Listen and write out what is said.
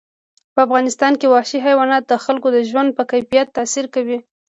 په افغانستان کې وحشي حیوانات د خلکو د ژوند په کیفیت تاثیر کوي.